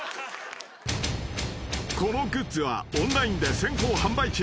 ［このグッズはオンラインで先行販売中］